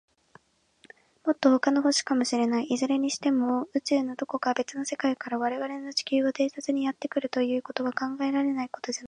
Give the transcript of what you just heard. もっと、ほかの星かもしれない。いずれにしても、宇宙の、どこか、べつの世界から、われわれの地球を偵察にやってくるということは、考えられないことじゃないからね。